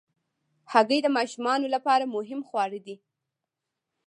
هګۍ د ماشومانو لپاره مهم خواړه دي.